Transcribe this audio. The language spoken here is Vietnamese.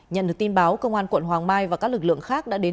nhận được tin báo công an quận hoàng mai và các lực lượng khác đã đến